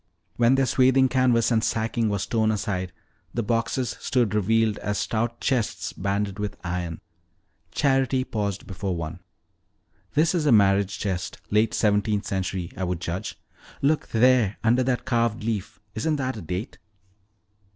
When their swathing canvas and sacking was thrown aside, the boxes stood revealed as stout chests banded with iron. Charity paused before one. "This is a marriage chest, late seventeenth century, I would judge. Look there, under that carved leaf isn't that a date?"